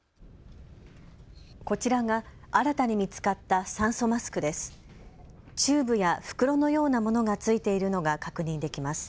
こちらが新たに見つかった酸素マスクです。